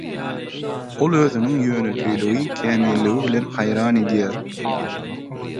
Ol özüniň ýönekeýligi, kämilligi bilen haýran edýär.